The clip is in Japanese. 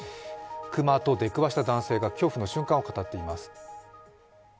熊と出くわした男性が恐怖の瞬間を語っています。